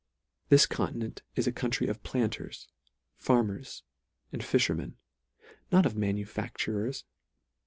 This continent is a country of planters, farmers, and fim ermen ; not of manufacturers.